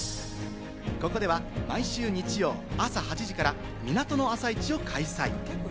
ここでは毎週日曜朝８時から港の朝市を開催。